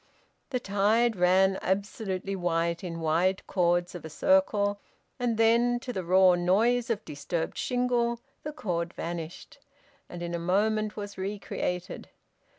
The tide ran up absolutely white in wide chords of a circle, and then, to the raw noise of disturbed shingle, the chord vanished; and in a moment was re created.